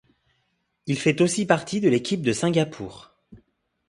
Il fait aussi partie de l'équipe de Singapour.